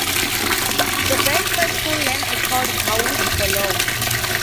The band's first full-length record, "Gauze", followed.